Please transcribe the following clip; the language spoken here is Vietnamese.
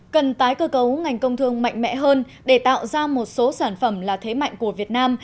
cần tái cơ cấu ngành công thương mạnh mẽ hơn để tạo ra một số sản phẩm là thế mạnh của việt nam